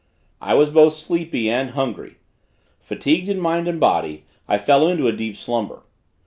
I was both sleepy and hungry. Fatigued in mind and body I fell into a deep slumber.